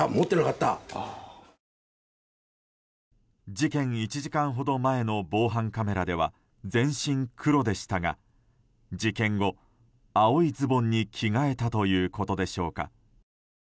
事件１時間ほど前の防犯カメラでは全身黒でしたが事件後、青いズボンに着替えたということでしょうか。